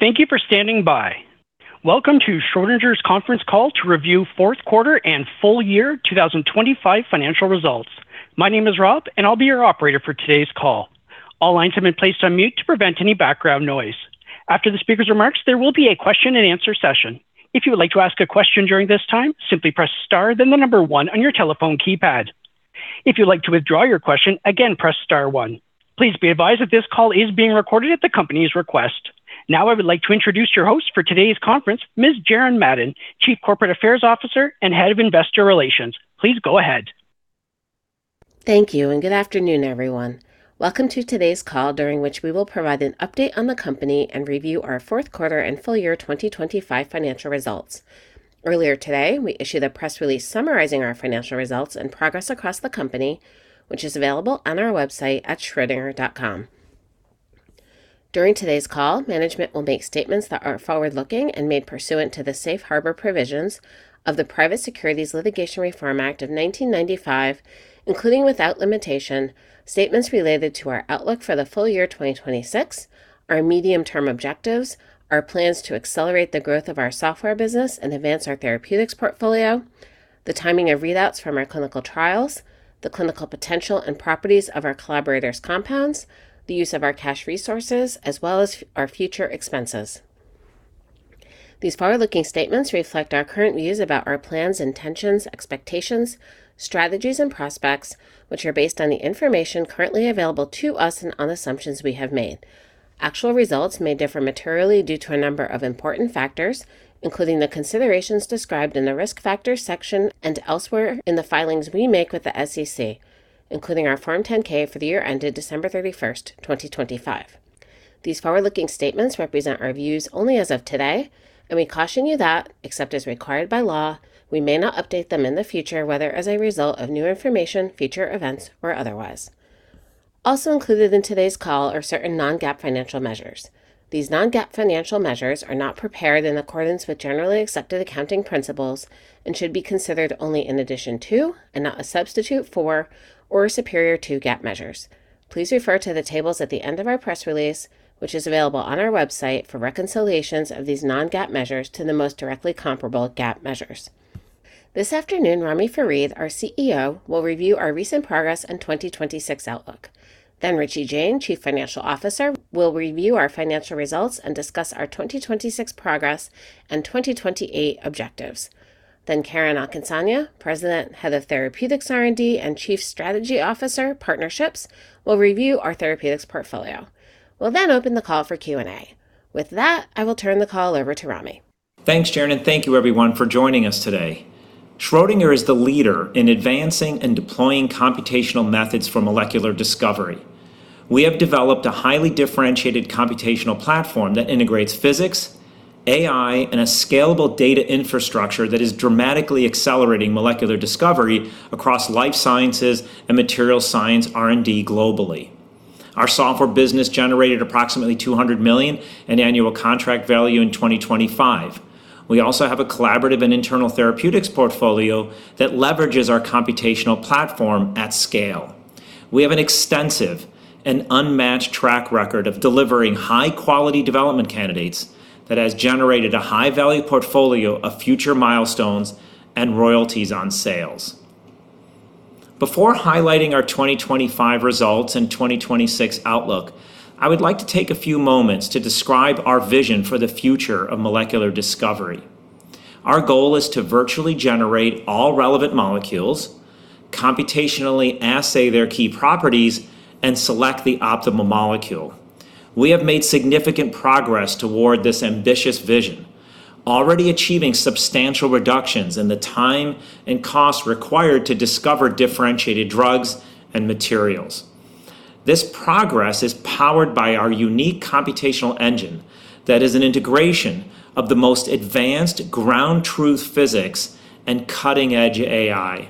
Thank you for standing by. Welcome to Schrödinger's conference call to review fourth quarter and full year 2025 financial results. My name is Rob. I'll be your operator for today's call. All lines have been placed on mute to prevent any background noise. After the speaker's remarks, there will be a question and answer session. If you would like to ask a question during this time, simply press star, then one on your telephone keypad. If you'd like to withdraw your question, again, press star one. Please be advised that this call is being recorded at the company's request. I would like to introduce your host for today's conference, Ms. Jaren Madden, Chief Corporate Affairs Officer and Head of Investor Relations. Please go ahead. Thank you and good afternoon, everyone. Welcome to today's call, during which we will provide an update on the company and review our fourth quarter and full year 2025 financial results. Earlier today, we issued a press release summarizing our financial results and progress across the company, which is available on our website at schrodinger.com. During today's call, management will make statements that are forward-looking and made pursuant to the Safe Harbor Provisions of the Private Securities Litigation Reform Act of 1995, including, without limitation, statements related to our outlook for the full year 2026, our medium-term objectives, our plans to accelerate the growth of our software business and advance our therapeutics portfolio, the timing of readouts from our clinical trials, the clinical potential and properties of our collaborators' compounds, the use of our cash resources, as well as our future expenses. These forward-looking statements reflect our current views about our plans, intentions, expectations, strategies, and prospects, which are based on the information currently available to us and on assumptions we have made. Actual results may differ materially due to a number of important factors, including the considerations described in the Risk Factors section and elsewhere in the filings we make with the SEC, including our Form 10-K for the year ended December 31st, 2025. These forward-looking statements represent our views only as of today, and we caution you that, except as required by law, we may not update them in the future, whether as a result of new information, future events, or otherwise. Also included in today's call are certain non-GAAP financial measures. These non-GAAP financial measures are not prepared in accordance with generally accepted accounting principles and should be considered only in addition to, and not a substitute for, or superior to, GAAP measures. Please refer to the tables at the end of our press release, which is available on our website for reconciliations of these non-GAAP measures to the most directly comparable GAAP measures. This afternoon, Ramy Farid, our CEO, will review our recent progress and 2026 outlook. Richie Jain, Chief Financial Officer, will review our financial results and discuss our 2026 progress and 2028 objectives. Karen Akinsanya, President, Head of Therapeutics R&D, and Chief Strategy Officer, Partnerships, will review our therapeutics portfolio. We'll then open the call for Q&A. With that, I will turn the call over to Ramy. Thanks, Jaren. Thank you everyone for joining us today. Schrödinger is the leader in advancing and deploying computational methods for molecular discovery. We have developed a highly differentiated computational platform that integrates physics, AI, and a scalable data infrastructure that is dramatically accelerating molecular discovery across life sciences and material science R&D globally. Our software business generated approximately $200 million in annual contract value in 2025. We also have a collaborative and internal therapeutics portfolio that leverages our computational platform at scale. We have an extensive and unmatched track record of delivering high-quality development candidates that has generated a high-value portfolio of future milestones and royalties on sales. Before highlighting our 2025 results and 2026 outlook, I would like to take a few moments to describe our vision for the future of molecular discovery. Our goal is to virtually generate all relevant molecules, computationally assay their key properties, and select the optimal molecule. We have made significant progress toward this ambitious vision, already achieving substantial reductions in the time and cost required to discover differentiated drugs and materials. This progress is powered by our unique computational engine that is an integration of the most advanced ground truth physics and cutting-edge AI.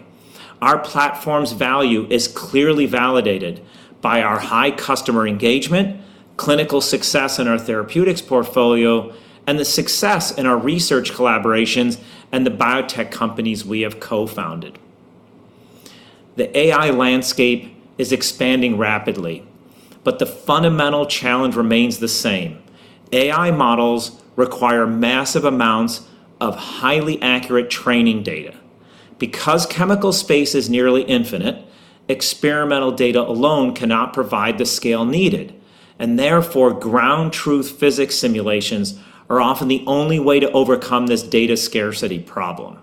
Our platform's value is clearly validated by our high customer engagement, clinical success in our therapeutics portfolio, and the success in our research collaborations and the biotech companies we have co-founded. The AI landscape is expanding rapidly. The fundamental challenge remains the same. AI models require massive amounts of highly accurate training data. Chemical space is nearly infinite, experimental data alone cannot provide the scale needed, and therefore, ground truth physics simulations are often the only way to overcome this data scarcity problem.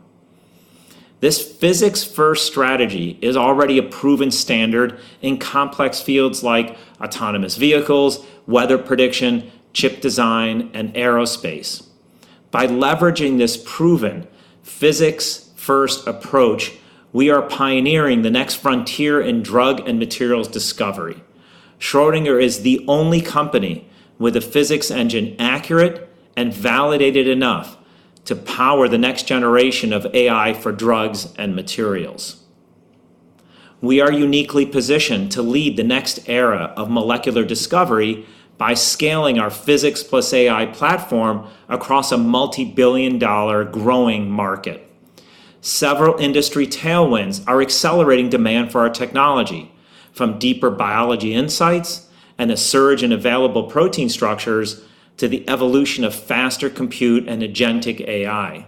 This physics-first strategy is already a proven standard in complex fields like autonomous vehicles, weather prediction, chip design, and aerospace. By leveraging this proven physics-first approach, we are pioneering the next frontier in drug and materials discovery. Schrödinger is the only company with a physics engine accurate and validated enough to power the next generation of AI for drugs and materials. We are uniquely positioned to lead the next era of molecular discovery by scaling our physics plus AI platform across a multi-billion dollar growing market. Several industry tailwinds are accelerating demand for our technology, from deeper biology insights and a surge in available protein structures to the evolution of faster compute and agentic AI.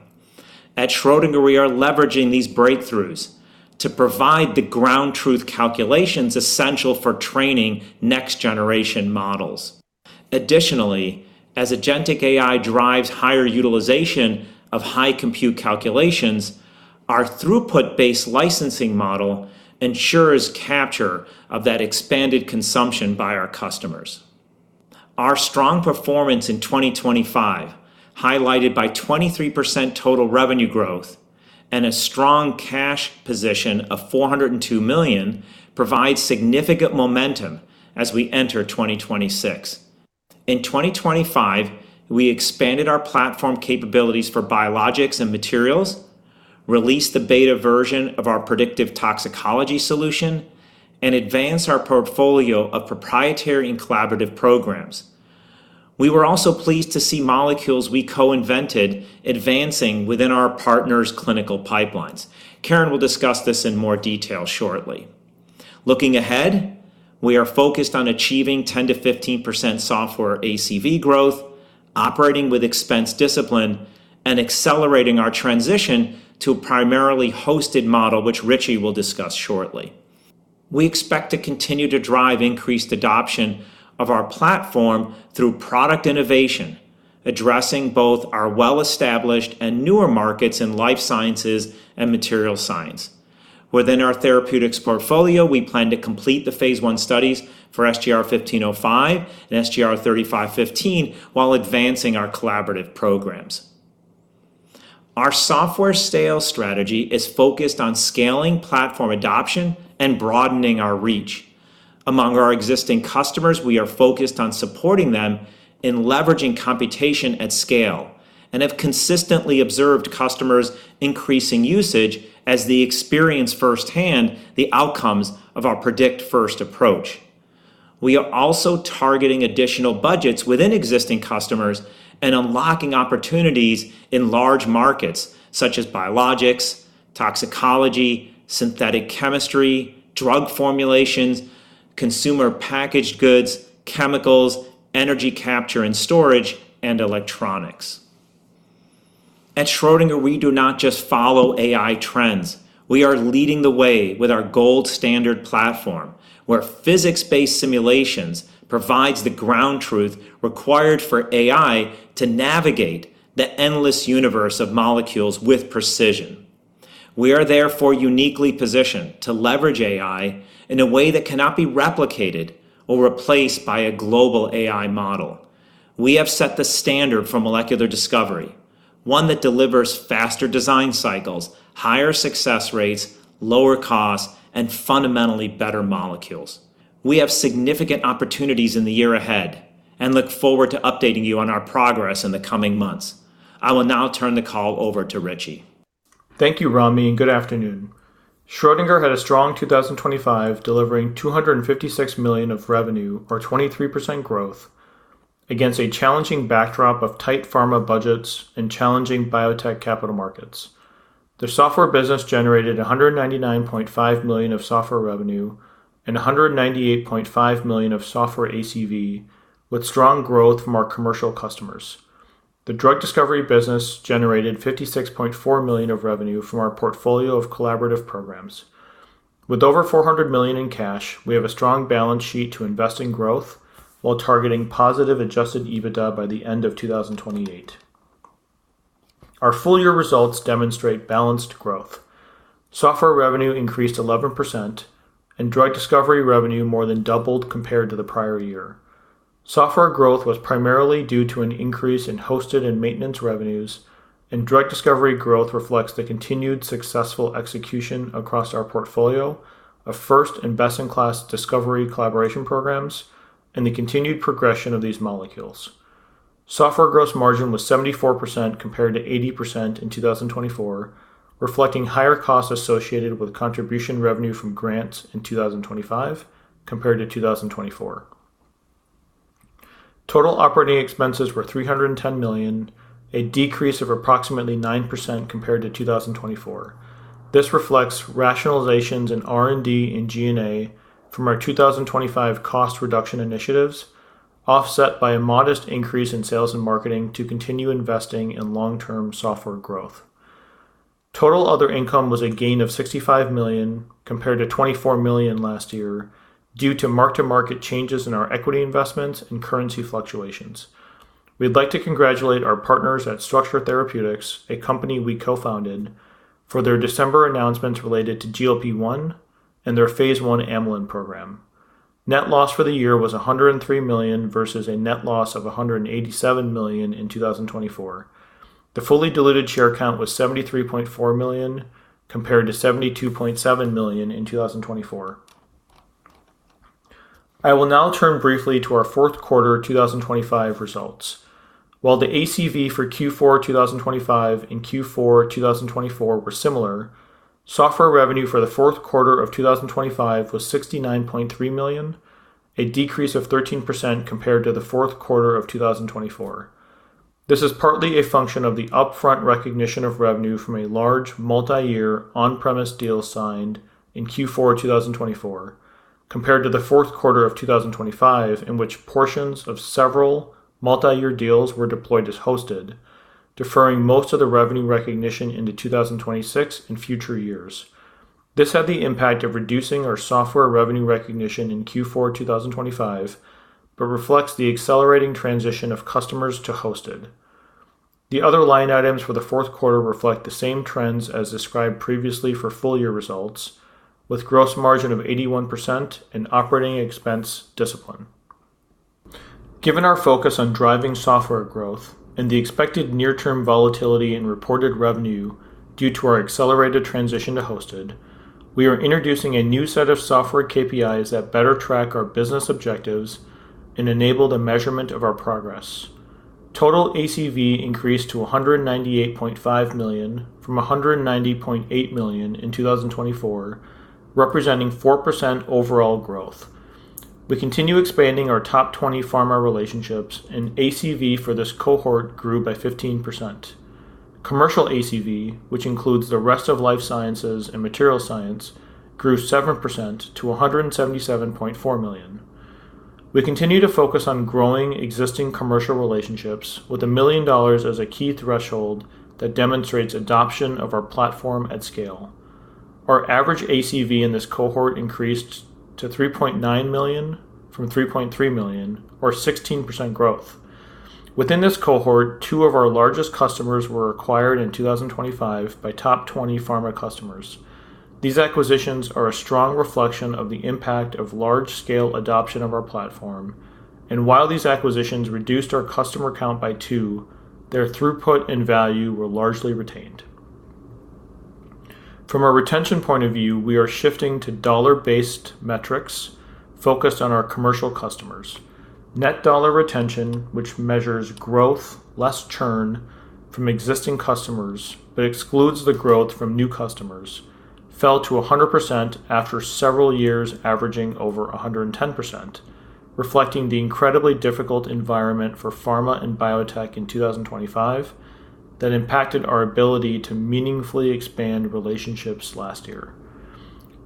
At Schrödinger, we are leveraging these breakthroughs to provide the ground truth calculations essential for training next-generation models. As agentic AI drives higher utilization of high compute calculations, our throughput-based licensing model ensures capture of that expanded consumption by our customers. Our strong performance in 2025, highlighted by 23% total revenue growth and a strong cash position of $402 million, provides significant momentum as we enter 2026. In 2025, we expanded our platform capabilities for biologics and materials, released the beta version of our predictive toxicology solution, and advanced our portfolio of proprietary and collaborative programs. We were also pleased to see molecules we co-invented advancing within our partners' clinical pipelines. Karen will discuss this in more detail shortly. Looking ahead, we are focused on achieving 10%-15% software ACV growth, operating with expense discipline, and accelerating our transition to a primarily hosted model, which Richie will discuss shortly. We expect to continue to drive increased adoption of our platform through product innovation, addressing both our well-established and newer markets in life sciences and material science. Within our therapeutics portfolio, we plan to complete the phase I studies for SGR-1505 and SGR-3515, while advancing our collaborative programs. Our software sales strategy is focused on scaling platform adoption and broadening our reach. Among our existing customers, we are focused on supporting them in leveraging computation at scale and have consistently observed customers increasing usage as they experience firsthand the outcomes of our predict-first approach. We are also targeting additional budgets within existing customers and unlocking opportunities in large markets such as biologics, toxicology, synthetic chemistry, drug formulations, consumer packaged goods, chemicals, energy capture and storage, and electronics. At Schrödinger, we do not just follow AI trends. We are leading the way with our gold standard platform, where physics-based simulations provides the ground truth required for AI to navigate the endless universe of molecules with precision. We are therefore uniquely positioned to leverage AI in a way that cannot be replicated or replaced by a global AI model. We have set the standard for molecular discovery, one that delivers faster design cycles, higher success rates, lower costs, and fundamentally better molecules. We have significant opportunities in the year ahead and look forward to updating you on our progress in the coming months. I will now turn the call over to Richie. Thank you, Ramy. Good afternoon. Schrödinger had a strong 2025, delivering $256 million of revenue, or 23% growth, against a challenging backdrop of tight pharma budgets and challenging biotech capital markets. The software business generated $199.5 million of software revenue and $198.5 million of software ACV, with strong growth from our commercial customers. The drug discovery business generated $56.4 million of revenue from our portfolio of collaborative programs. With over $400 million in cash, we have a strong balance sheet to invest in growth while targeting positive adjusted EBITDA by the end of 2028. Our full-year results demonstrate balanced growth. Software revenue increased 11%, and drug discovery revenue more than doubled compared to the prior year. Software growth was primarily due to an increase in hosted and maintenance revenues. Drug discovery growth reflects the continued successful execution across our portfolio of first and best-in-class discovery collaboration programs and the continued progression of these molecules. Software gross margin was 74%, compared to 80% in 2024, reflecting higher costs associated with contribution revenue from grants in 2025 compared to 2024. Total operating expenses were $310 million, a decrease of approximately 9% compared to 2024. This reflects rationalizations in R&D and G&A from our 2025 cost reduction initiatives, offset by a modest increase in sales and marketing to continue investing in long-term software growth. Total other income was a gain of $65 million, compared to $24 million last year, due to mark-to-market changes in our equity investments and currency fluctuations. We'd like to congratulate our partners at Structure Therapeutics, a company we co-founded, for their December announcements related to GLP-1 and their phase I amylin program. Net loss for the year was $103 million versus a net loss of $187 million in 2024. The fully diluted share count was 73.4 million, compared to 72.7 million in 2024. I will now turn briefly to our fourth quarter 2025 results. While the ACV for Q4 2025 and Q4 2024 were similar, software revenue for the fourth quarter of 2025 was $69.3 million, a decrease of 13% compared to the fourth quarter of 2024. This is partly a function of the upfront recognition of revenue from a large, multi-year, on-premise deal signed in Q4 2024, compared to the fourth quarter of 2025, in which portions of several multi-year deals were deployed as hosted, deferring most of the revenue recognition into 2026 and future years. This had the impact of reducing our software revenue recognition in Q4 2025, but reflects the accelerating transition of customers to hosted. The other line items for the fourth quarter reflect the same trends as described previously for full year results, with gross margin of 81% and operating expense discipline. Given our focus on driving software growth and the expected near-term volatility in reported revenue due to our accelerated transition to hosted, we are introducing a new set of software KPIs that better track our business objectives and enable the measurement of our progress. Total ACV increased to $198.5 million from $190.8 million in 2024, representing 4% overall growth. We continue expanding our top 20 pharma relationships, and ACV for this cohort grew by 15%. Commercial ACV, which includes the rest of life sciences and material science, grew 7% to $177.4 million. We continue to focus on growing existing commercial relationships with $1 million as a key threshold that demonstrates adoption of our platform at scale. Our average ACV in this cohort increased to $3.9 million from $3.3 million, or 16% growth. Within this cohort, two of our largest customers were acquired in 2025 by top 20 pharma customers. These acquisitions are a strong reflection of the impact of large-scale adoption of our platform. While these acquisitions reduced our customer count by two, their throughput and value were largely retained. From a retention point of view, we are shifting to dollar-based metrics focused on our commercial customers. Net dollar retention, which measures growth less churn from existing customers, but excludes the growth from new customers, fell to 100% after several years, averaging over 110%, reflecting the incredibly difficult environment for pharma and biotech in 2025 that impacted our ability to meaningfully expand relationships last year.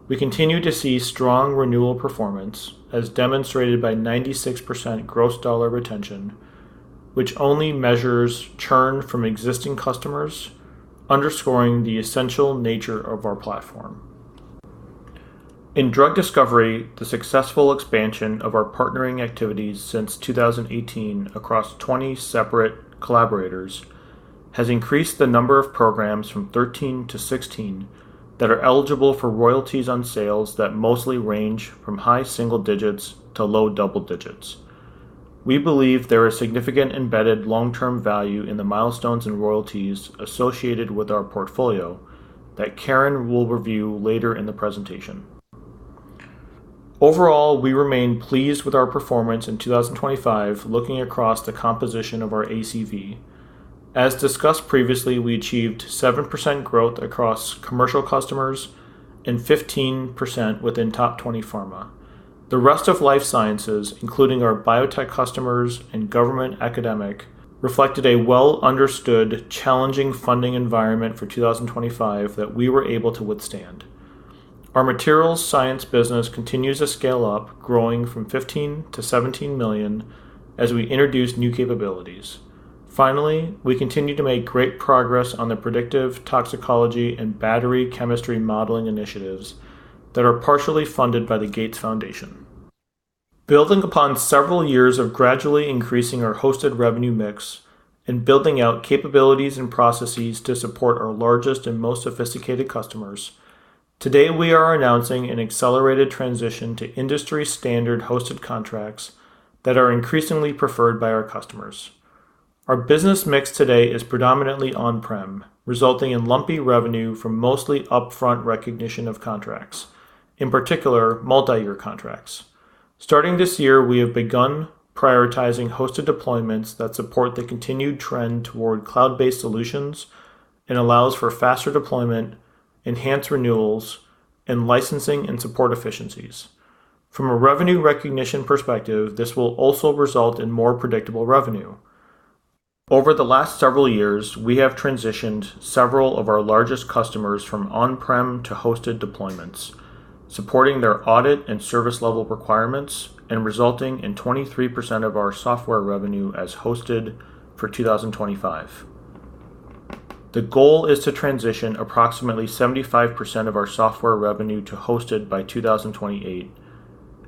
We continue to see strong renewal performance, as demonstrated by 96% gross dollar retention, which only measures churn from existing customers, underscoring the essential nature of our platform. In drug discovery, the successful expansion of our partnering activities since 2018 across 20 separate collaborators has increased the number of programs from 13 to 16 that are eligible for royalties on sales that mostly range from high-single-digits to low-double-digits. We believe there is significant embedded long-term value in the milestones and royalties associated with our portfolio that Karen will review later in the presentation. Overall, we remain pleased with our performance in 2025, looking across the composition of our ACV. As discussed previously, we achieved 7% growth across commercial customers and 15% within top 20 pharma. The rest of life sciences, including our biotech customers and government academic, reflected a well-understood, challenging funding environment for 2025 that we were able to withstand. Our materials science business continues to scale up, growing from $15 million-$17 million as we introduce new capabilities. Finally, we continue to make great progress on the predictive toxicology and battery chemistry modeling initiatives that are partially funded by the Gates Foundation. Building upon several years of gradually increasing our hosted revenue mix and building out capabilities and processes to support our largest and most sophisticated customers, today we are announcing an accelerated transition to industry-standard hosted contracts that are increasingly preferred by our customers. Our business mix today is predominantly on-prem, resulting in lumpy revenue from mostly upfront recognition of contracts, in particular, multi-year contracts. Starting this year, we have begun prioritizing hosted deployments that support the continued trend toward cloud-based solutions and allows for faster deployment, enhanced renewals, and licensing and support efficiencies. From a revenue recognition perspective, this will also result in more predictable revenue. Over the last several years, we have transitioned several of our largest customers from on-prem to hosted deployments, supporting their audit and service level requirements and resulting in 23% of our software revenue as hosted for 2025. The goal is to transition approximately 75% of our software revenue to hosted by 2028,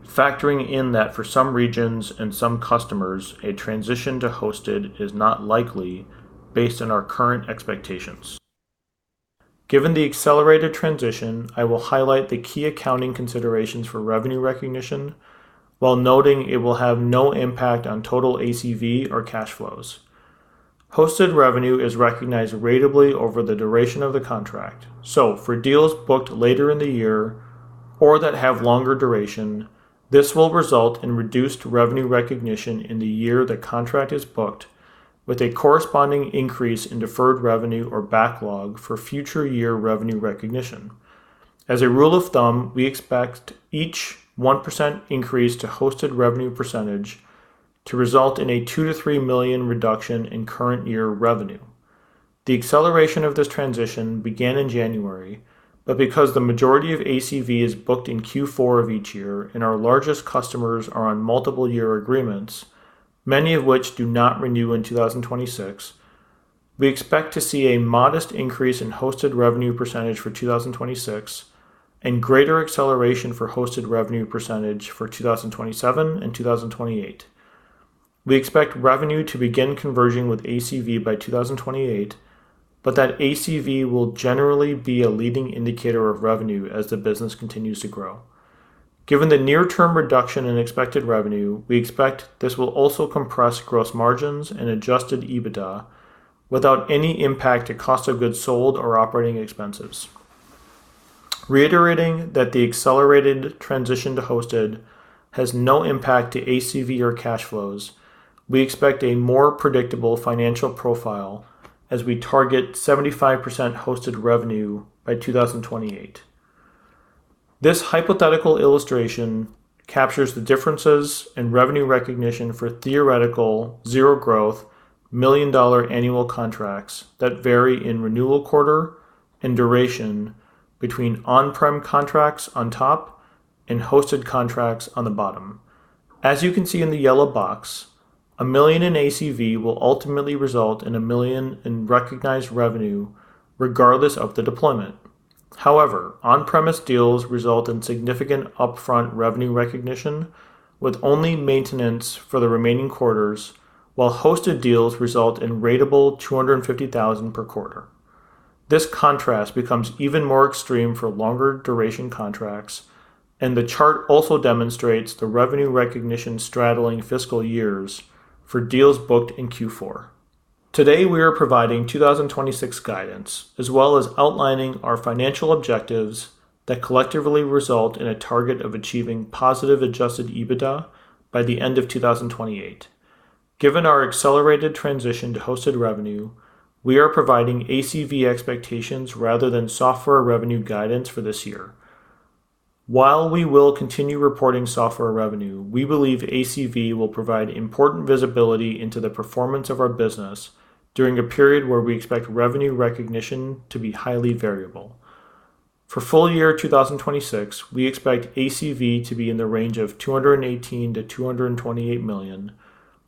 factoring in that for some regions and some customers, a transition to hosted is not likely based on our current expectations. Given the accelerated transition, I will highlight the key accounting considerations for revenue recognition while noting it will have no impact on total ACV or cash flows. Hosted revenue is recognized ratably over the duration of the contract. For deals booked later in the year or that have longer duration, this will result in reduced revenue recognition in the year the contract is booked, with a corresponding increase in deferred revenue or backlog for future year revenue recognition. As a rule of thumb, we expect each 1% increase to hosted revenue percentage to result in a $2 million-$3 million reduction in current year revenue. The acceleration of this transition began in January, but because the majority of ACV is booked in Q4 of each year and our largest customers are on multiple year agreements, many of which do not renew in 2026, we expect to see a modest increase in hosted revenue percentage for 2026, and greater acceleration for hosted revenue percentage for 2027 and 2028. We expect revenue to begin converging with ACV by 2028, but that ACV will generally be a leading indicator of revenue as the business continues to grow. Given the near-term reduction in expected revenue, we expect this will also compress gross margins and adjusted EBITDA without any impact to cost of goods sold or operating expenses. Reiterating that the accelerated transition to hosted has no impact to ACV or cash flows, we expect a more predictable financial profile as we target 75% hosted revenue by 2028. This hypothetical illustration captures the differences in revenue recognition for theoretical zero growth, million-dollar annual contracts that vary in renewal quarter and duration between on-prem contracts on top and hosted contracts on the bottom. As you can see in the yellow box, $1 million in ACV will ultimately result in $1 million in recognized revenue, regardless of the deployment. On-prem deals result in significant upfront revenue recognition, with only maintenance for the remaining quarters, while hosted deals result in ratable $250,000 per quarter. This contrast becomes even more extreme for longer duration contracts, the chart also demonstrates the revenue recognition straddling fiscal years for deals booked in Q4. Today, we are providing 2026 guidance, as well as outlining our financial objectives that collectively result in a target of achieving positive adjusted EBITDA by the end of 2028. Given our accelerated transition to hosted revenue, we are providing ACV expectations rather than software revenue guidance for this year. While we will continue reporting software revenue, we believe ACV will provide important visibility into the performance of our business during a period where we expect revenue recognition to be highly variable. For full year 2026, we expect ACV to be in the range of $218 million-$228 million,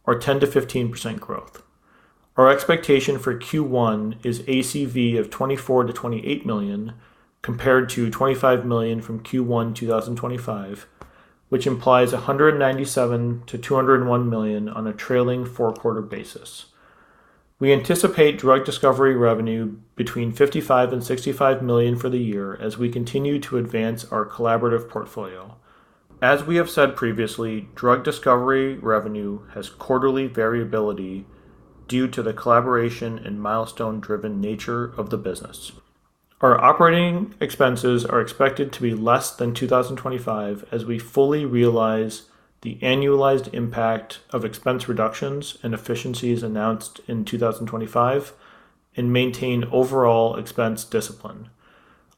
or 10%-15% growth. Our expectation for Q1 is ACV of $24 million-$28 million, compared to $25 million from Q1 2025, which implies $197 million-$201 million on a trailing four-quarter basis. We anticipate drug discovery revenue between $55 million-$65 million for the year as we continue to advance our collaborative portfolio. As we have said previously, drug discovery revenue has quarterly variability due to the collaboration and milestone-driven nature of the business. Our operating expenses are expected to be less than 2025 as we fully realize the annualized impact of expense reductions and efficiencies announced in 2025 and maintain overall expense discipline.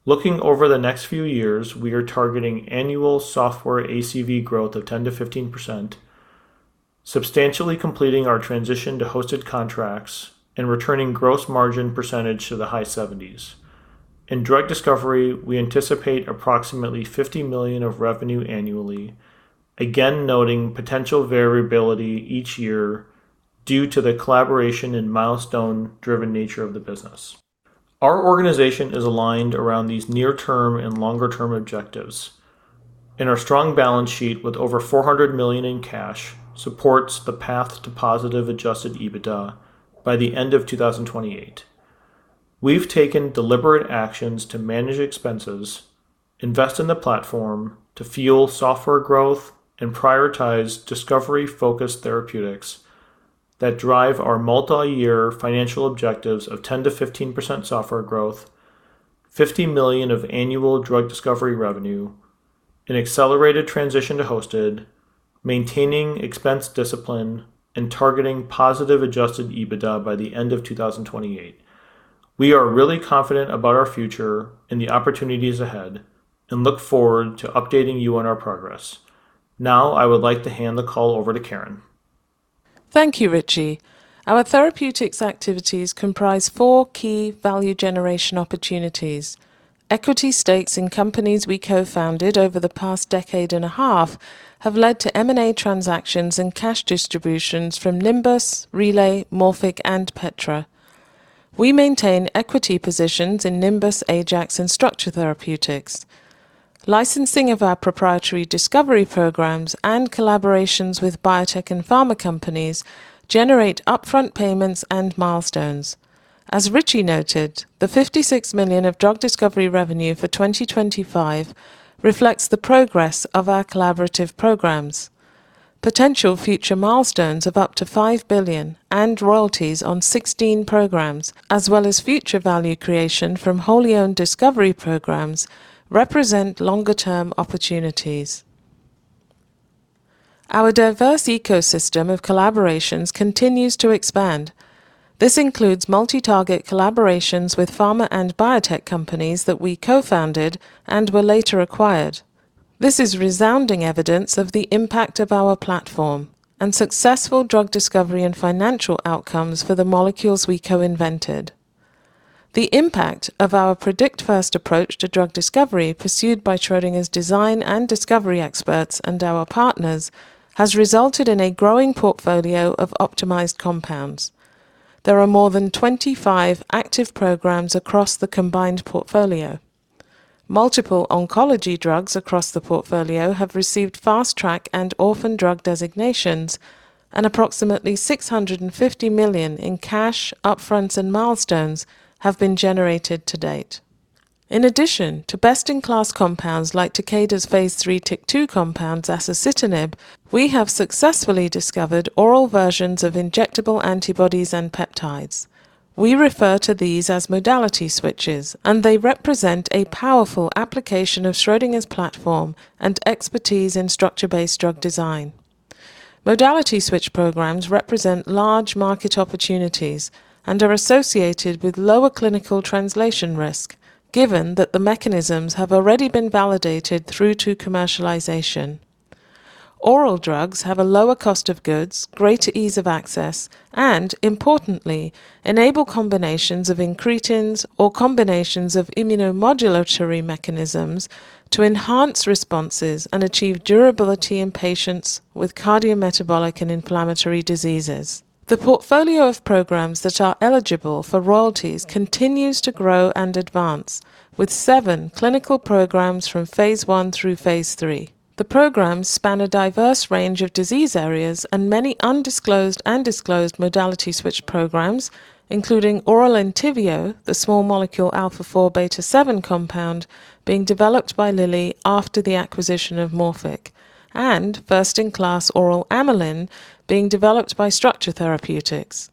Looking over the next few years, we are targeting annual software ACV growth of 10%-15%, substantially completing our transition to hosted contracts and returning gross margin percentage to the high seventies. In drug discovery, we anticipate approximately $50 million of revenue annually, again, noting potential variability each year due to the collaboration and milestone-driven nature of the business. Our organization is aligned around these near-term and longer-term objectives, our strong balance sheet with over $400 million in cash, supports the path to positive adjusted EBITDA by the end of 2028. We've taken deliberate actions to manage expenses, invest in the platform to fuel software growth, prioritize discovery-focused therapeutics that drive our multi-year financial objectives of 10%-15% software growth, $50 million of annual drug discovery revenue, an accelerated transition to hosted, maintaining expense discipline, and targeting positive adjusted EBITDA by the end of 2028. We are really confident about our future and the opportunities ahead look forward to updating you on our progress. Now, I would like to hand the call over to Karen. Thank you, Richie. Our therapeutics activities comprise four key value generation opportunities. Equity stakes in companies we co-founded over the past decade and a half have led to M&A transactions and cash distributions from Nimbus, Relay, Morphic, and Petra. We maintain equity positions in Nimbus, Ajax, and Structure Therapeutics. Licensing of our proprietary discovery programs and collaborations with biotech and pharma companies generate upfront payments and milestones. As Richie noted, the $56 million of drug discovery revenue for 2025 reflects the progress of our collaborative programs. Potential future milestones of up to $5 billion and royalties on 16 programs, as well as future value creation from wholly-owned discovery programs, represent longer-term opportunities. Our diverse ecosystem of collaborations continues to expand. This includes multi-target collaborations with pharma and biotech companies that we co-founded and were later acquired. This is resounding evidence of the impact of our platform and successful drug discovery and financial outcomes for the molecules we co-invented. The impact of our predict-first approach to drug discovery, pursued by Schrödinger's design and discovery experts and our partners, has resulted in a growing portfolio of optimized compounds. There are more than 25 active programs across the combined portfolio. Multiple oncology drugs across the portfolio have received Fast Track and Orphan Drug designations, and approximately $650 million in cash, upfronts, and milestones have been generated to date. In addition to best-in-class compounds like Takeda's phase III TYK2 compound, zasocitinib, we have successfully discovered oral versions of injectable antibodies and peptides. We refer to these as modality switches, and they represent a powerful application of Schrödinger's platform and expertise in structure-based drug design. Modality switch programs represent large market opportunities and are associated with lower clinical translation risk, given that the mechanisms have already been validated through to commercialization. Oral drugs have a lower cost of goods, greater ease of access, and importantly, enable combinations of incretins or combinations of immunomodulatory mechanisms to enhance responses and achieve durability in patients with cardiometabolic and inflammatory diseases. The portfolio of programs that are eligible for royalties continues to grow and advance, with seven clinical programs from phase I through phase III. The programs span a diverse range of disease areas and many undisclosed and disclosed modality switch programs, including oral Entyvio, the small molecule α4β7 compound being developed by Lilly after the acquisition of Morphic, and first-in-class oral amylin being developed by Structure Therapeutics.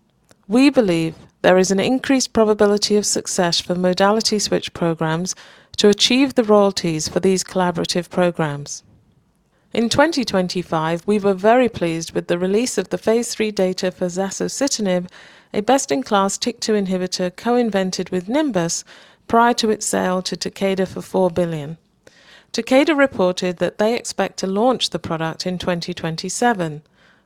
We believe there is an increased probability of success for modality switch programs to achieve the royalties for these collaborative programs. In 2025, we were very pleased with the release of the phase III data for zasocitinib, a best-in-class TYK2 inhibitor co-invented with Nimbus prior to its sale to Takeda for $4 billion. Takeda reported that they expect to launch the product in 2027.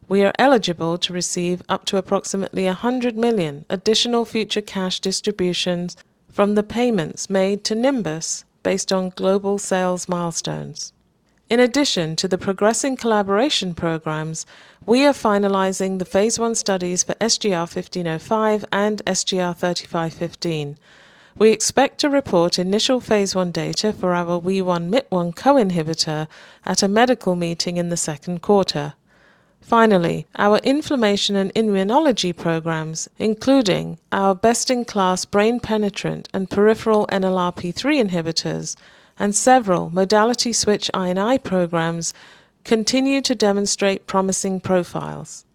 We are eligible to receive up to approximately $100 million additional future cash distributions from the payments made to Nimbus based on global sales milestones. In addition to the progressing collaboration programs, we are finalizing the phase I studies for SGR-1505 and SGR-3515. We expect to report initial phase I data for our WEE1/Myt1 co-inhibitor at a medical meeting in the second quarter. Our inflammation and immunology programs, including our best-in-class brain-penetrant and peripheral NLRP3 inhibitors and several modality switch I and I programs, continue to demonstrate promising profiles.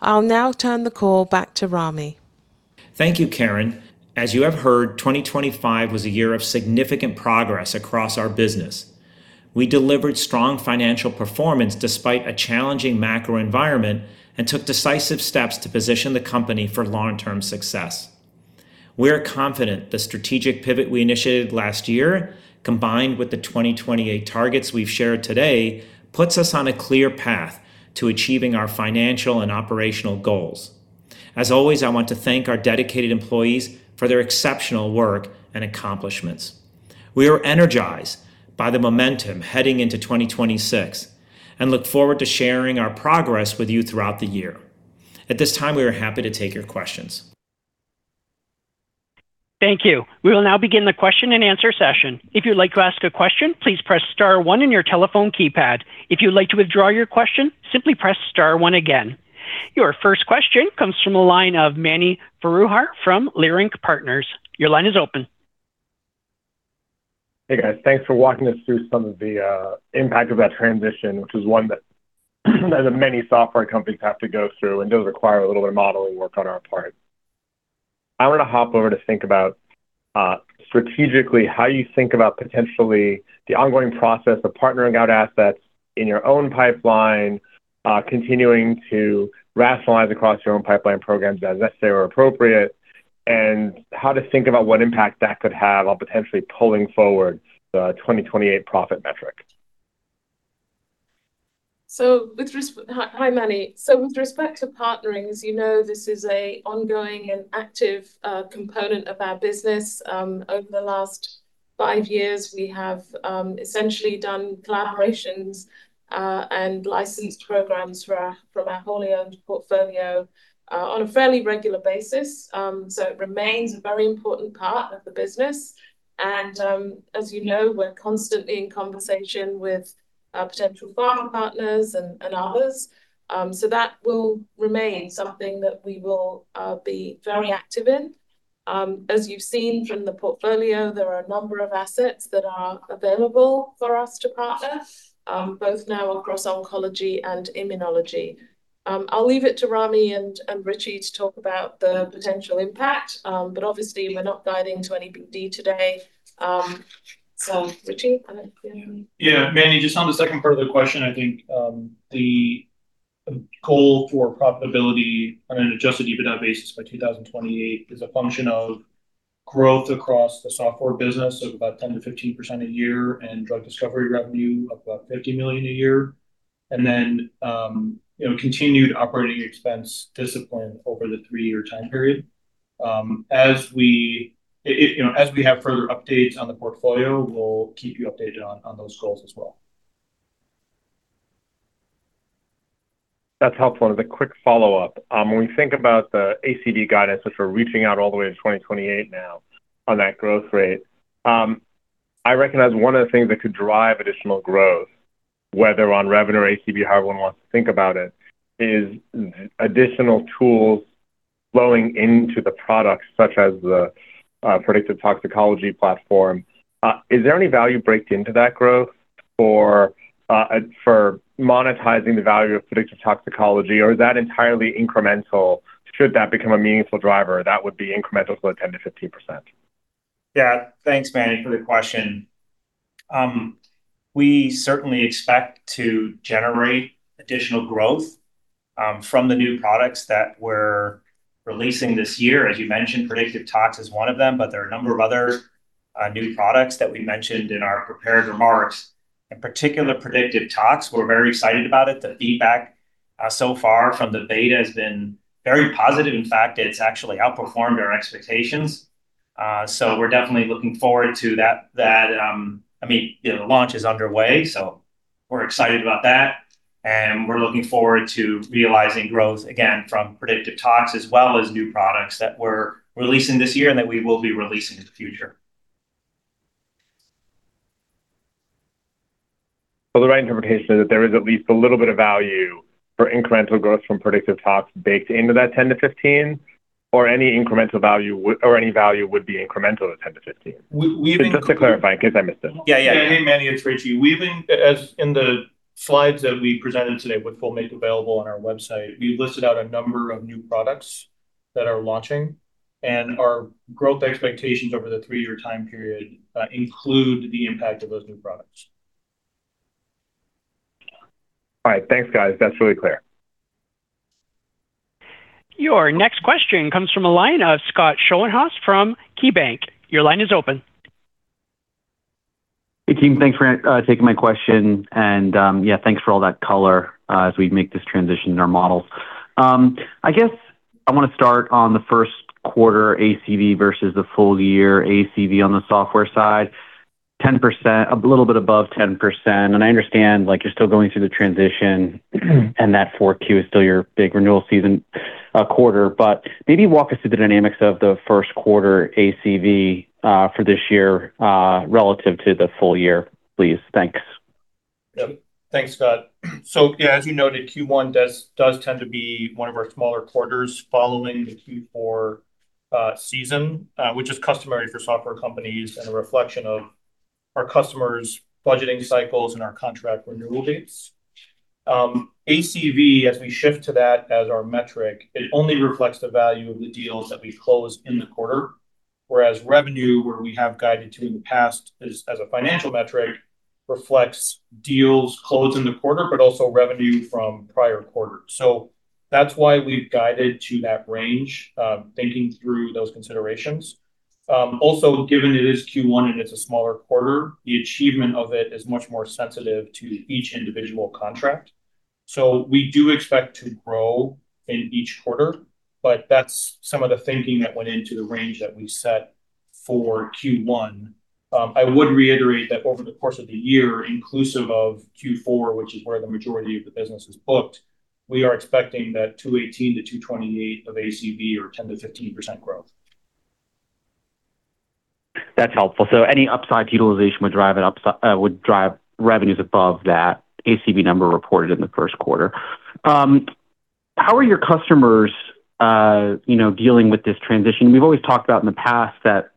I'll now turn the call back to Ramy. Thank you, Karen. As you have heard, 2025 was a year of significant progress across our business. We delivered strong financial performance despite a challenging macro environment and took decisive steps to position the company for long-term success. We are confident the strategic pivot we initiated last year, combined with the 2028 targets we've shared today, puts us on a clear path to achieving our financial and operational goals. As always, I want to thank our dedicated employees for their exceptional work and accomplishments. We are energized by the momentum heading into 2026 and look forward to sharing our progress with you throughout the year. At this time, we are happy to take your questions. Thank you. We will now begin the question-and-answer session. If you'd like to ask a question, please press star one on your telephone keypad. If you'd like to withdraw your question, simply press star one again. Your first question comes from the line of Mani Foroohar from Leerink Partners. Your line is open. Hey, guys. Thanks for walking us through some of the impact of that transition, which is one that many software companies have to go through and does require a little bit of modeling work on our part. I want to hop over to think about strategically, how you think about potentially the ongoing process of partnering out assets in your own pipeline, continuing to rationalize across your own pipeline programs as necessary or appropriate, and how to think about what impact that could have on potentially pulling forward the 2028 profit metric. Hi, Mani. With respect to partnering, as you know, this is a ongoing and active component of our business. Over the last five years, we have essentially done collaborations and licensed programs for our, from our wholly-owned portfolio on a fairly regular basis. It remains a very important part of the business, and as you know, we're constantly in conversation with potential pharma partners and others. That will remain something that we will be very active in. As you've seen from the portfolio, there are a number of assets that are available for us to partner, both now across oncology and immunology. I'll leave it to Ramy and Richie to talk about the potential impact, but obviously, we're not guiding to any BD today. Richie? Yeah, Mani, just on the second part of the question, I think, the goal for profitability on an adjusted EBITDA basis by 2028 is a function of growth across the software business of about 10%-15% a year, and drug discovery revenue of about $50 million a year. Then, you know, continued operating expense discipline over the three-year time period. As we, you know, as we have further updates on the portfolio, we'll keep you updated on those goals as well. That's helpful. As a quick follow-up, when we think about the ACV guidance, which we're reaching out all the way to 2028 now on that growth rate, I recognize one of the things that could drive additional growth, whether on revenue or ACV, however one wants to think about it, is additional tools flowing into the products, such as the predictive toxicology platform. Is there any value baked into that growth for monetizing the value of predictive toxicology, or is that entirely incremental? Should that become a meaningful driver, that would be incremental to the 10%-15%. Yeah. Thanks, Mani, for the question. We certainly expect to generate additional growth from the new products that we're releasing this year. As you mentioned, Predictive Tox is one of them, but there are a number of other new products that we mentioned in our prepared remarks. In particular, Predictive Tox, we're very excited about it. The feedback so far from the beta has been very positive. In fact, it's actually outperformed our expectations. We're definitely looking forward to that. I mean, you know, the launch is underway, so we're excited about that, and we're looking forward to realizing growth again from Predictive Tox, as well as new products that we're releasing this year and that we will be releasing in the future. The right interpretation is that there is at least a little bit of value for incremental growth from Predictive Tox baked into that 10%-15%, or any value would be incremental to 10%-15%? We've been... just to clarify, in case I missed it. Yeah, yeah. Hey, Mani, it's Richie. We've been, as in the slides that we presented today, which we'll make available on our website, we've listed out a number of new products that are launching, and our growth expectations over the three-year time period, include the impact of those new products. All right. Thanks, guys. That's really clear. Your next question comes from the line of Scott Schoenhaus from KeyBanc. Your line is open. Hey, team, thanks for taking my question. Yeah, thanks for all that color, as we make this transition in our models. I guess I wanna start on the first quarter ACV versus the full year ACV on the software side, 10%, a little bit above 10%, and I understand, like, you're still going through the transition, and that 4Q is still your big renewal season, quarter. Maybe walk us through the dynamics of the first quarter ACV, for this year, relative to the full year, please. Thanks. Yep. Thanks, Scott. Yeah, as you noted, Q1 does tend to be one of our smaller quarters following the Q4 season, which is customary for software companies and a reflection of our customers' budgeting cycles and our contract renewal dates. ACV, as we shift to that as our metric, it only reflects the value of the deals that we close in the quarter, whereas revenue, where we have guided to in the past, as a financial metric, reflects deals closed in the quarter, but also revenue from prior quarters. That's why we've guided to that range, thinking through those considerations. Also, given it is Q1 and it's a smaller quarter, the achievement of it is much more sensitive to each individual contract. We do expect to grow in each quarter, but that's some of the thinking that went into the range that we set for Q1. I would reiterate that over the course of the year, inclusive of Q4, which is where the majority of the business is booked, we are expecting that $218 million-$228 million of ACV or 10%-15% growth. That's helpful. Any upside utilization would drive revenues above that ACV number reported in the first quarter. How are your customers, you know, dealing with this transition? We've always talked about in the past that,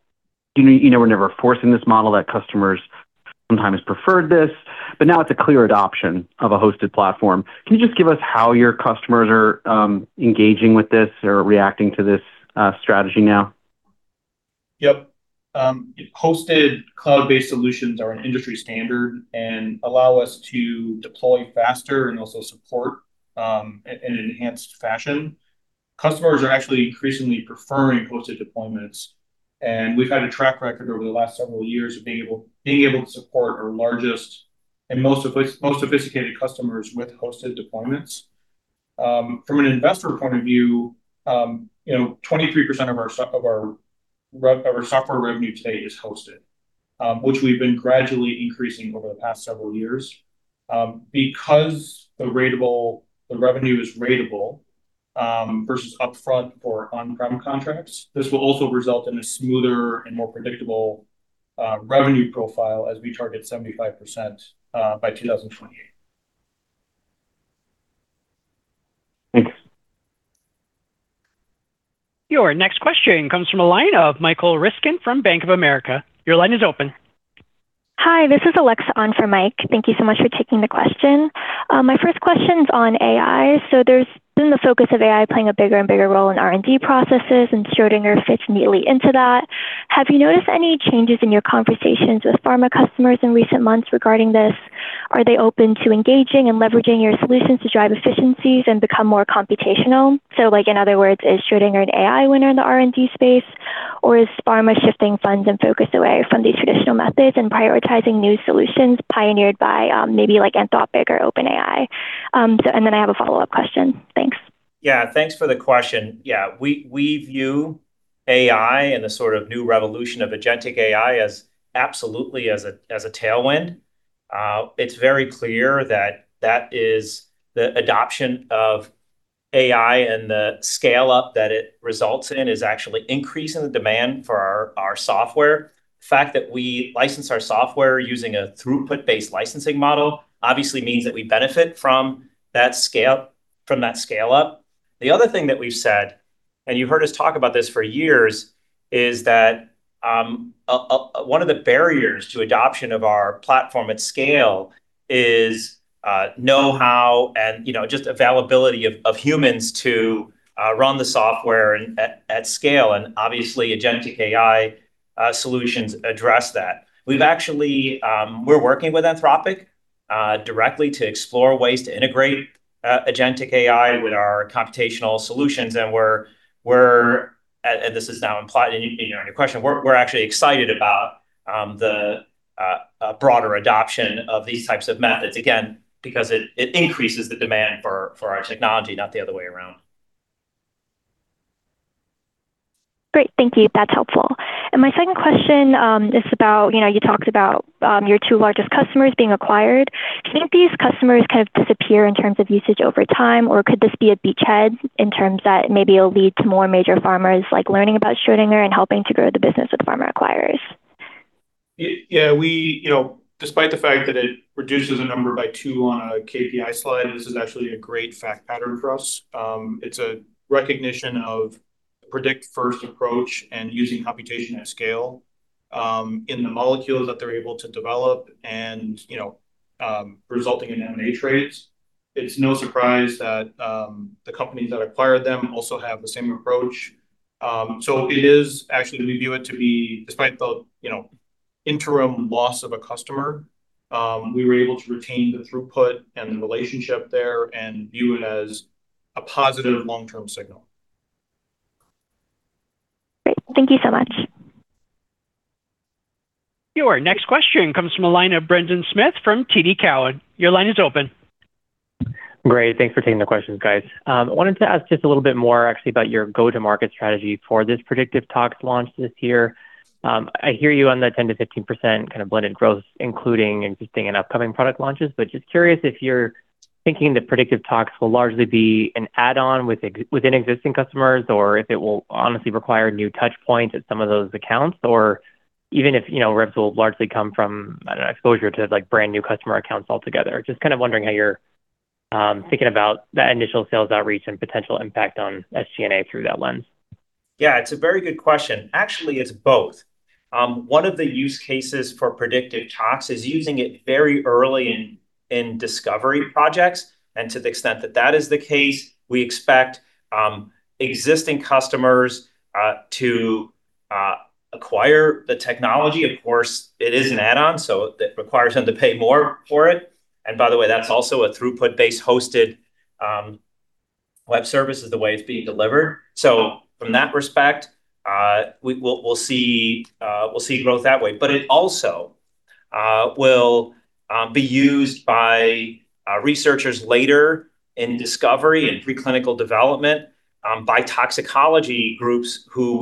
you know, we're never forcing this model, that customers sometimes preferred this, but now it's a clear adoption of a hosted platform. Can you just give us how your customers are engaging with this or reacting to this strategy now? Yep. Hosted cloud-based solutions are an industry standard and allow us to deploy faster and also support in an enhanced fashion. Customers are actually increasingly preferring hosted deployments. We've had a track record over the last several years of being able to support our largest and most sophisticated customers with hosted deployments. From an investor point of view, you know, 23% of our software revenue today is hosted, which we've been gradually increasing over the past several years. Because the revenue is ratable versus upfront for on-prem contracts, this will also result in a smoother and more predictable revenue profile as we target 75% by 2028. Thanks. Your next question comes from a line of Michael Ryskin from Bank of America. Your line is open. Hi, this is Alexa on for Mike. Thank you so much for taking the question. My first question is on AI. There's been the focus of AI playing a bigger and bigger role in R&D processes, and Schrödinger fits neatly into that. Have you noticed any changes in your conversations with pharma customers in recent months regarding this? Are they open to engaging and leveraging your solutions to drive efficiencies and become more computational? Like, in other words, is Schrödinger an AI winner in the R&D space, or is pharma shifting funds and focus away from these traditional methods and prioritizing new solutions pioneered by maybe like Anthropic or OpenAI? I have a follow-up question. Thanks. Yeah, thanks for the question. Yeah, we view AI and the sort of new revolution of agentic AI as absolutely as a tailwind. It's very clear that is the adoption of AI, and the scale-up that it results in is actually increasing the demand for our software. The fact that we license our software using a throughput-based licensing model obviously means that we benefit from that scale up. The other thing that we've said, and you've heard us talk about this for years, is that one of the barriers to adoption of our platform at scale is know-how, and, you know, just availability of humans to run the software and at scale, and obviously, agentic AI solutions address that. We've actually, we're working with Anthropic directly to explore ways to integrate agentic AI with our computational solutions, and we're, and this is now implied in, you know, in your question, we're actually excited about the broader adoption of these types of methods. Again, because it increases the demand for our technology, not the other way around. Great. Thank you. That's helpful. My second question is about, you know, you talked about your two largest customers being acquired. Do you think these customers kind of disappear in terms of usage over time, or could this be a beachhead in terms that maybe it'll lead to more major pharmas, like, learning about Schrödinger and helping to grow the business with pharma acquirers? Yeah, we, you know, despite the fact that it reduces the number by two on a KPI slide, this is actually a great fact pattern for us. It's a recognition of predict-first approach and using computation at scale, in the molecules that they're able to develop and, you know, resulting in M&A trades. It's no surprise that the companies that acquired them also have the same approach. So actually, we view it to be, despite the, you know, interim loss of a customer, we were able to retain the throughput and the relationship there and view it as a positive long-term signal. Great. Thank you so much. Your next question comes from a line of Brendan Smith from TD Cowen. Your line is open. Great. Thanks for taking the questions, guys. I wanted to ask just a little bit more actually about your go-to-market strategy for this Predictive Tox launch this year. I hear you on the 10%-15% kind of blended growth, including existing and upcoming product launches, but just curious if you're thinking that Predictive Tox will largely be an add-on within existing customers, or if it will honestly require new touch points at some of those accounts, or even if, you know, reps will largely come from, I don't know, exposure to, like, brand-new customer accounts altogether. Just kind of wondering how you're thinking about that initial sales outreach and potential impact on SCNA through that lens. Yeah, it's a very good question. Actually, it's both. One of the use cases for Predictive Tox is using it very early in discovery projects. To the extent that that is the case, we expect existing customers to acquire the technology. Of course, it is an add-on, so it requires them to pay more for it. By the way, that's also a throughput-based hosted web service is the way it's being delivered. From that respect, we'll see growth that way. It also will be used by researchers later in discovery and preclinical development by toxicology groups who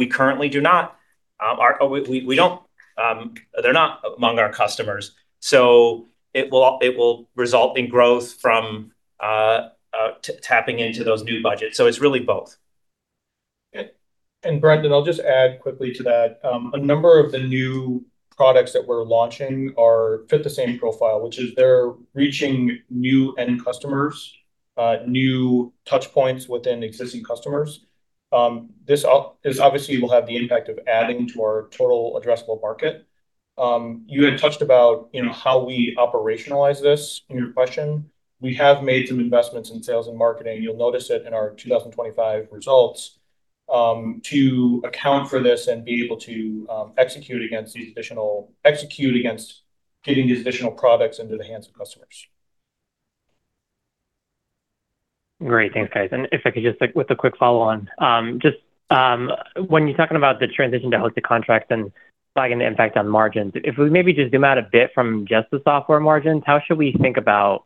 they're not among our customers. It will result in growth from tapping into those new budgets. It's really both. Brendan, I'll just add quickly to that. A number of the new products that we're launching are fit the same profile, which is they're reaching new end customers, new touch points within existing customers. This obviously will have the impact of adding to our total addressable market. You had touched about, you know, how we operationalize this in your question. We have made some investments in sales and marketing, you'll notice it in our 2025 results, to account for this and be able to execute against getting these additional products into the hands of customers. Great. Thanks, guys. If I could just, like, with a quick follow-on, just when you're talking about the transition to hosted contracts and flagging the impact on margins, if we maybe just zoom out a bit from just the software margins, how should we think about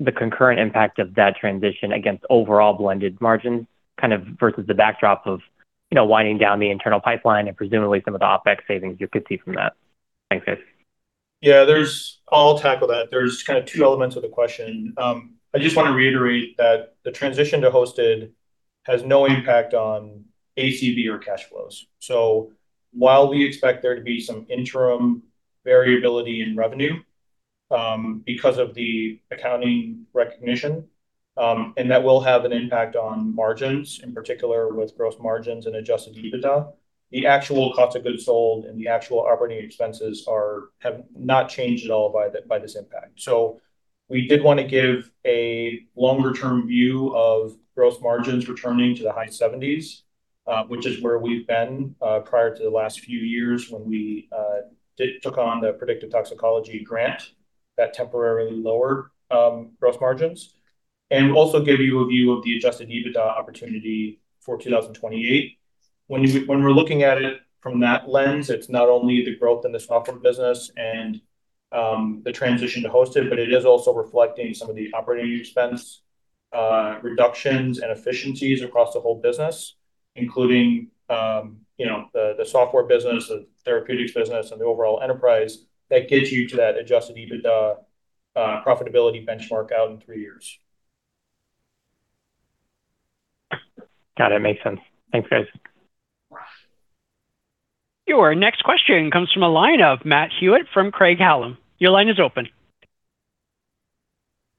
the concurrent impact of that transition against overall blended margins, kind of versus the backdrop of, you know, winding down the internal pipeline and presumably some of the OpEx savings you could see from that? Thanks, guys. Yeah, there's I'll tackle that. There's two elements of the question. I just want to reiterate that the transition to hosted has no impact on ACV or cash flows. While we expect there to be some interim variability in revenue because of the accounting recognition, and that will have an impact on margins, in particular with gross margins and adjusted EBITDA. The actual cost of goods sold and the actual operating expenses have not changed at all by this impact. We did want to give a longer term view of gross margins returning to the high 70s, which is where we've been prior to the last few years when we took on the predictive toxicology grant that temporarily lowered gross margins. Also give you a view of the adjusted EBITDA opportunity for 2028. When we're looking at it from that lens, it's not only the growth in the software business and the transition to hosted, but it is also reflecting some of the operating expense reductions and efficiencies across the whole business, including, you know, the software business, the therapeutics business, and the overall enterprise that gets you to that adjusted EBITDA profitability benchmark out in three years. Got it. Makes sense. Thanks, guys. Your next question comes from a line of Matthew Hewitt from Craig-Hallum. Your line is open.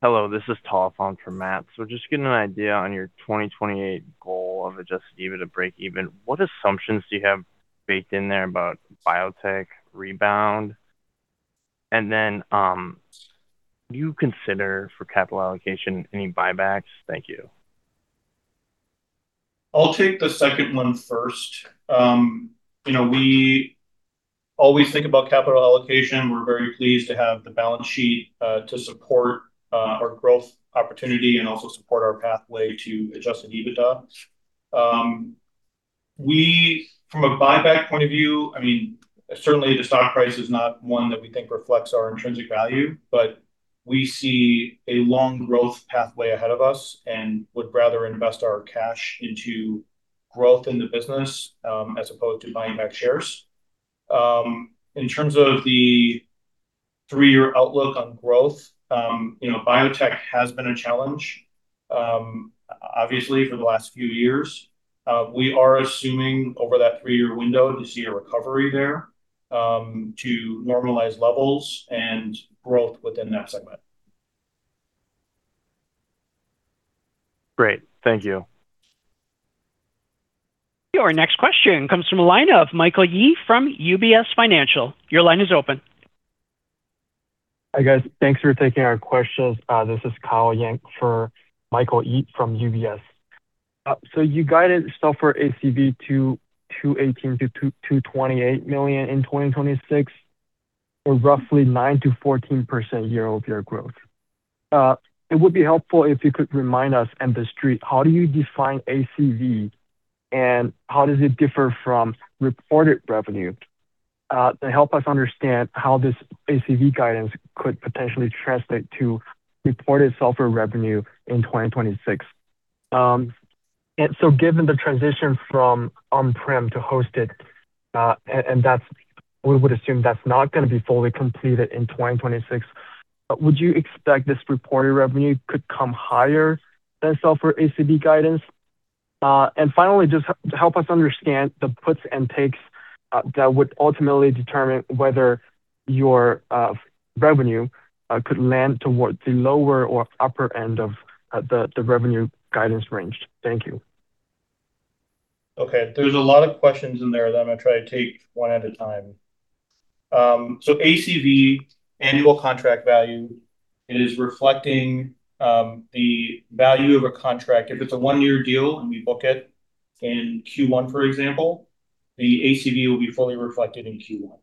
Hello, this is Taltz for Matt. Just getting an idea on your 2028 goal of adjusted EBITDA break even, what assumptions do you have baked in there about biotech rebound? Then, do you consider for capital allocation, any buybacks? Thank you. I'll take the second one first. You know, we always think about capital allocation. We're very pleased to have the balance sheet to support our growth opportunity and also support our pathway to adjusted EBITDA. We, from a buyback point of view, I mean, certainly the stock price is not one that we think reflects our intrinsic value, but we see a long growth pathway ahead of us, and would rather invest our cash into growth in the business as opposed to buying back shares. In terms of the three-year outlook on growth, you know, biotech has been a challenge, obviously, for the last few years. We are assuming over that three-year window to see a recovery there to normalize levels and growth within that segment. Great. Thank you. Your next question comes from a line of Michael Yee from UBS. Your line is open. Hi, guys. Thanks for taking our questions. This is Kailun Ying for Michael Yee from UBS. You guided software ACV to $18 million-$28 million in 2026, or roughly 9%-14% year-over-year growth. It would be helpful if you could remind us and the street, how do you define ACV, and how does it differ from reported revenue? To help us understand how this ACV guidance could potentially translate to reported software revenue in 2026. Given the transition from on-prem to hosted, and that's we would assume that's not going to be fully completed in 2026, would you expect this reported revenue could come higher than software ACV guidance? Finally, just to help us understand the puts and takes that would ultimately determine whether your revenue could land towards the lower or upper end of the revenue guidance range. Thank you. Okay, there's a lot of questions in there that I'm gonna try to take one at a time. ACV, annual contract value, is reflecting the value of a contract. If it's a one-year deal, and we book it in Q1, for example, the ACV will be fully reflected in Q1.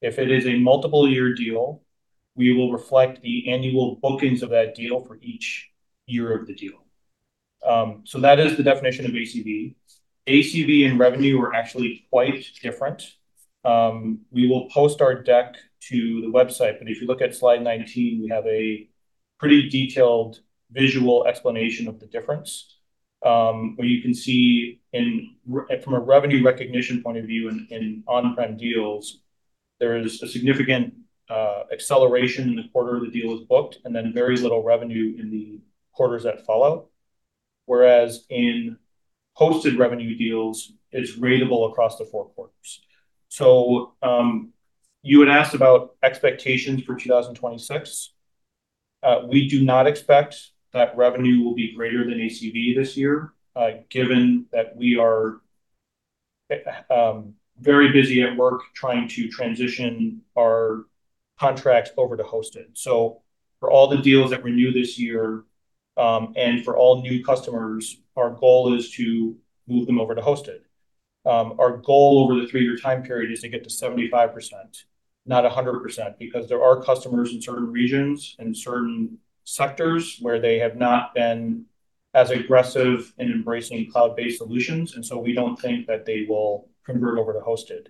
If it is a multiple year deal, we will reflect the annual bookings of that deal for each year of the deal. That is the definition of ACV. ACV and revenue are actually quite different. We will post our deck to the website, but if you look at slide 19, we have a pretty detailed visual explanation of the difference, where you can see from a revenue recognition point of view, in on-prem deals, there is a significant acceleration in the quarter the deal is booked, and then very little revenue in the quarters that follow. Whereas in hosted revenue deals, it's ratable across the four quarters. You had asked about expectations for 2026. We do not expect that revenue will be greater than ACV this year, given that we are very busy at work trying to transition our contracts over to hosted. For all the deals that renew this year, and for all new customers, our goal is to move them over to hosted. Our goal over the three-year time period is to get to 75%, not 100%, because there are customers in certain regions and certain sectors where they have not been as aggressive in embracing cloud-based solutions. We don't think that they will convert over to hosted.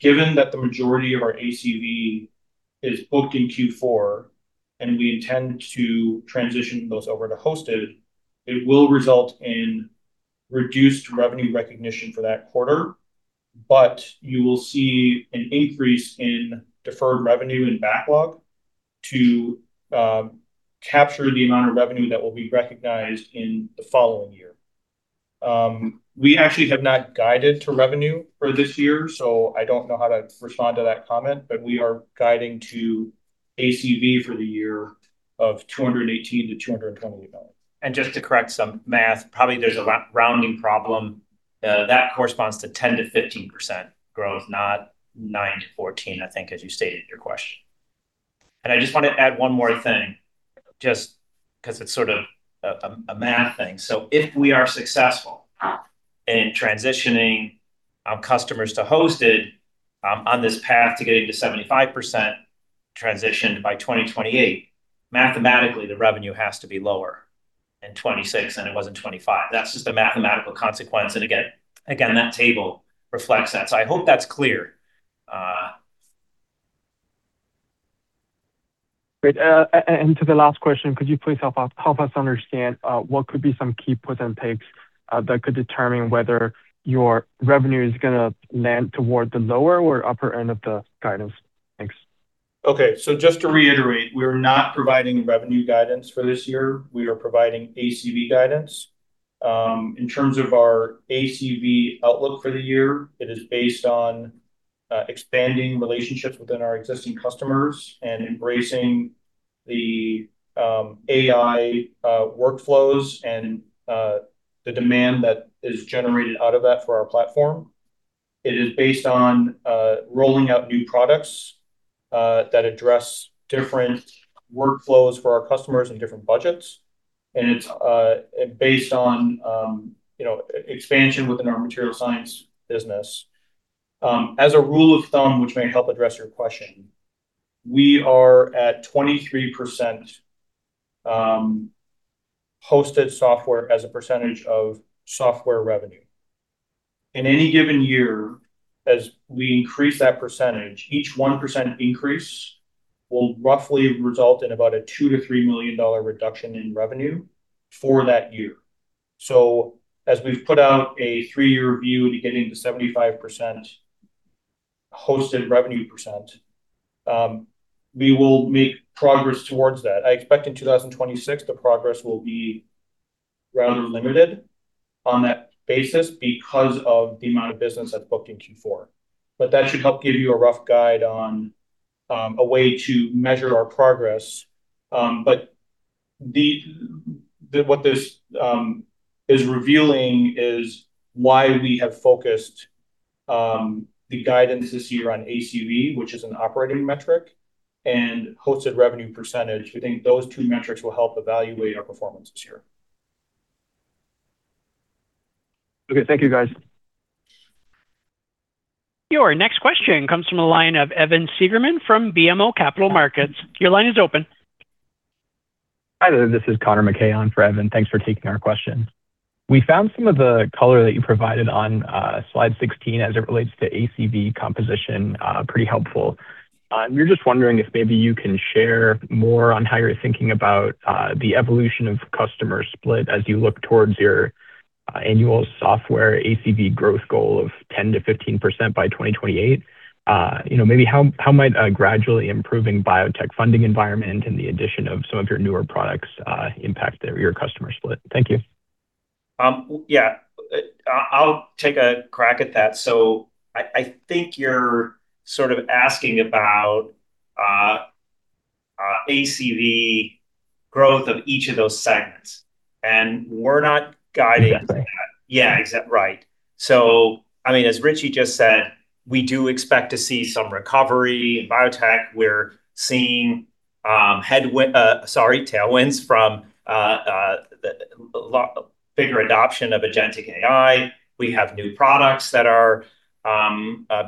Given that the majority of our ACV is booked in Q4, and we intend to transition those over to hosted, it will result in reduced revenue recognition for that quarter, but you will see an increase in deferred revenue and backlog to capture the amount of revenue that will be recognized in the following year. We actually have not guided to revenue for this year. I don't know how to respond to that comment. We are guiding to ACV for the year of $218 million-$220 million. Just to correct some math, probably there's a rounding problem. That corresponds to 10%-15% growth, not 9%-14%, I think, as you stated in your question. I just want to add one more thing, just 'cause it's sort of a math thing. If we are successful in transitioning our customers to hosted on this path to getting to 75% transitioned by 2028, mathematically, the revenue has to be lower in 2026, and it wasn't 2025. That's just a mathematical consequence, and again, that table reflects that. I hope that's clear. Great. And to the last question, could you please help us understand what could be some key puts and takes that could determine whether your revenue is gonna land toward the lower or upper end of the guidance? Thanks. Just to reiterate, we are not providing revenue guidance for this year. We are providing ACV guidance. In terms of our ACV outlook for the year, it is based on expanding relationships within our existing customers and embracing the AI workflows and the demand that is generated out of that for our platform. It is based on rolling out new products that address different workflows for our customers and different budgets, and it's based on, you know, e-expansion within our material science business. As a rule of thumb, which may help address your question, we are at 23% hosted software as a percentage of software revenue. In any given year, as we increase that percentage, each 1% increase will roughly result in about a $2 million-$3 million reduction in revenue for that year. As we've put out a three-year view to getting to 75% hosted revenue percent, we will make progress towards that. I expect in 2026, the progress will be rather limited on that basis because of the amount of business that's booked in Q4. That should help give you a rough guide on a way to measure our progress. What this is revealing is why we have focused the guidance this year on ACV, which is an operating metric, and hosted revenue percentage. We think those two metrics will help evaluate our performance this year. Okay. Thank you, guys. Your next question comes from the line of Evan Seigerman from BMO Capital Markets. Your line is open. Hi there, this is Conor MacKay on for Evan. Thanks for taking our question. We found some of the color that you provided on slide 16 as it relates to ACV composition, pretty helpful. We're just wondering if maybe you can share more on how you're thinking about the evolution of customer split as you look towards your annual software ACV growth goal of 10%-15% by 2028. You know, maybe how might a gradually improving biotech funding environment and the addition of some of your newer products impact your customer split? Thank you. I'll take a crack at that. I think you're sort of asking about ACV growth of each of those segments, and we're not guiding... Yes. Yeah, exact, right. I mean, as Richie just said, we do expect to see some recovery in biotech. We're seeing tailwinds from the bigger adoption of agentic AI. We have new products that are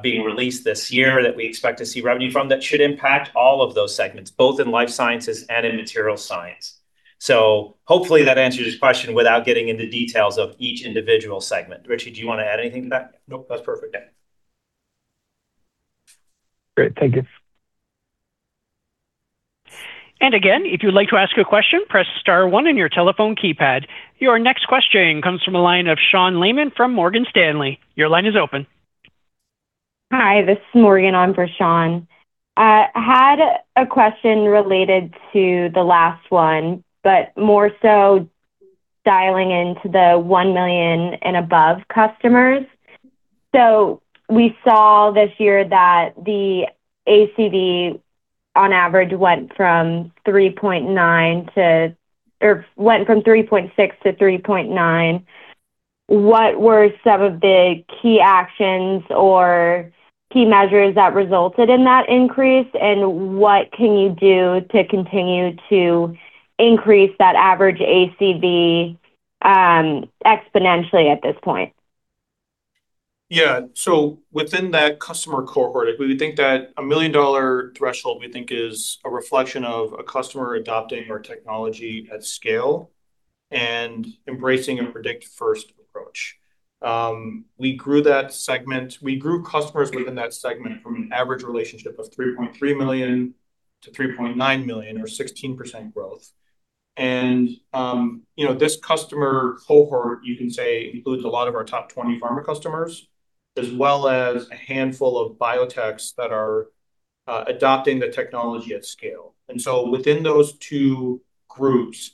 being released this year that we expect to see revenue from. That should impact all of those segments, both in life sciences and in material science. Hopefully that answers your question without getting into details of each individual segment. Richie, do you want to add anything to that? Nope, that's perfect. Yeah. Great, thank you. Again, if you'd like to ask a question, press star one on your telephone keypad. Your next question comes from a line of Sean Lehmann from Morgan Stanley. Your line is open. Hi, this is Morgan on for Sean. I had a question related to the last one, but more so dialing into the one million and above customers. We saw this year that the ACV, on average, went from $3.6 to $3.9. What were some of the key actions or key measures that resulted in that increase, and what can you do to continue to increase that average ACV exponentially at this point? Yeah. Within that customer cohort, we think that a $1 million threshold, we think, is a reflection of a customer adopting our technology at scale and embracing a predict-first approach. We grew customers within that segment from an average relationship of $3.3 million to $3.9 million, or 16% growth. You know, this customer cohort, you can say, includes a lot of our top 20 pharma customers, as well as a handful of biotechs that are adopting the technology at scale. Within those two groups,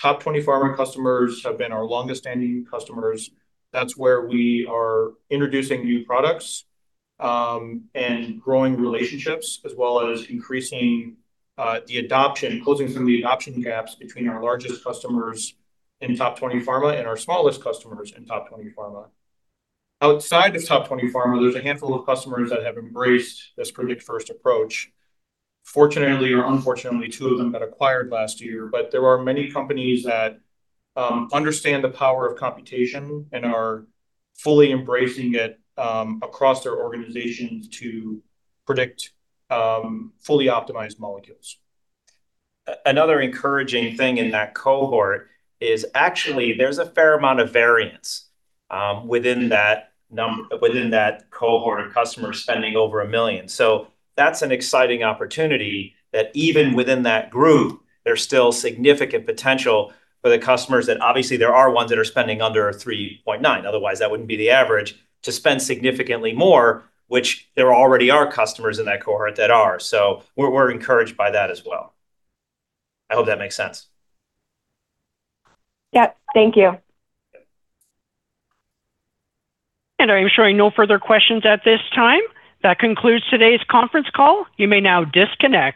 top 20 pharma customers have been our longest-standing customers. That's where we are introducing new products, and growing relationships, as well as increasing the adoption, closing some of the adoption gaps between our largest customers in top 20 pharma and our smallest customers in top 20 pharma. Outside of top 20 pharma, there's a handful of customers that have embraced this predict-first approach. Fortunately or unfortunately, two of them got acquired last year, but there are many companies that understand the power of computation and are fully embracing it across their organizations to predict fully optimized molecules. Another encouraging thing in that cohort is actually there's a fair amount of variance within that cohort of customers spending over $1 million. That's an exciting opportunity, that even within that group, there's still significant potential for the customers that obviously there are ones that are spending under $3.9, otherwise, that wouldn't be the average, to spend significantly more, which there already are customers in that cohort that are. We're encouraged by that as well. I hope that makes sense. Yep. Thank you. Yep. I am showing no further questions at this time. That concludes today's conference call. You may now disconnect.